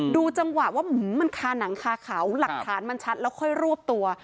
ดูจังหวะว่ามันคาหนังคาเขาหลักฐานมันชัดแล้วค่อยรวบตัว